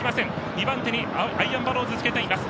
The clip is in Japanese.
２番手にアイアンバローズつけています。